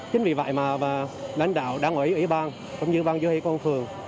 chính vì vậy mà lãnh đạo đảng ủy ủy ban cũng như văn vô hệ công phường